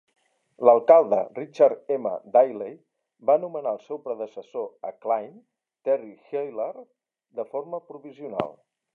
L'alcalde, Richard M. Daley, va nomenar el seu predecessor a Cline, Terry Hillard, de forma provisional.